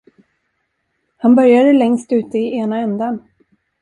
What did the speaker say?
Han började längst ute i ena ändan.